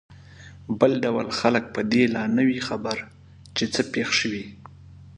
بل ډول خلک په دې لا نه وي خبر چې څه پېښ شوي.